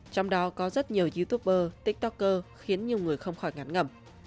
trong đó có rất nhiều youtuber tiktoker khiến nhiều người không khỏi ngán ngẩm